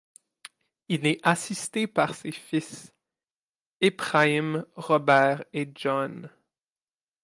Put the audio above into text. Il est assisté par ses fils, Ephraim, Robert et John.